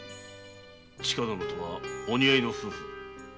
千加殿とはお似合いの夫婦。